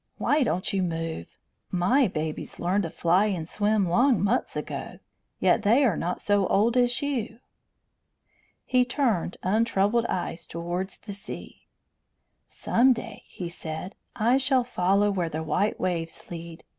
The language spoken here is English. "Why don't you move? My babies learned to fly and swim long months ago, yet they are not so old as you." He turned untroubled eyes towards the sea. "Some day," he said, "I shall follow where the white waves lead.